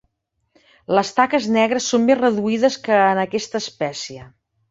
Les taques negres són més reduïdes que en aquesta espècie.